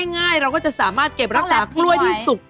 ง่ายเราก็จะสามารถเก็บรักษากล้วยที่สุก